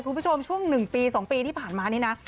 คุณผู้ชมช่วง๑ปี๒ปีที่ผ่านมานี่นะ